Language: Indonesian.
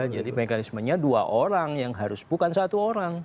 jadi mekanismenya dua orang yang harus bukan satu orang